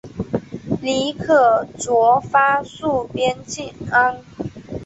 李可灼发戍边疆。